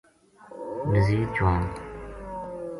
نزیر چوہان